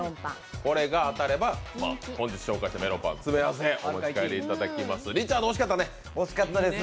これが当たれば本日紹介したメロンパンの詰め合わせ、お持ち帰りいただきます。